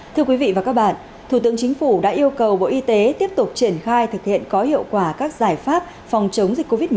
thưa quý vị và các bạn thủ tướng chính phủ đã yêu cầu bộ y tế tiếp tục triển khai thực hiện có hiệu quả các giải pháp phòng chống dịch covid một mươi chín